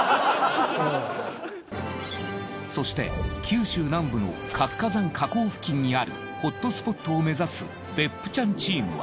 そして九州南部の活火山火口付近にあるホットスポットを目指す別府ちゃんチームは。